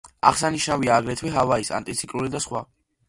აღსანიშნავია აგრეთვე ჰავაის ანტიციკლონი და სხვა.